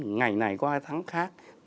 ngày này qua tháng tháng